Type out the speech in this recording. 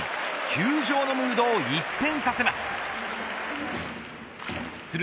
球場のムードを一変させます。